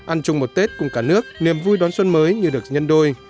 ăn chung một tết cùng cả nước niềm vui đón xuân mới như được nhân đôi